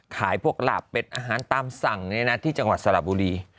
ขายพวกหลาบเป็ดอาหารตามสั่งที่จังหวัดสระบุรี